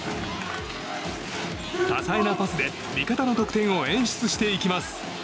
多彩なパスで味方の得点を演出していきます。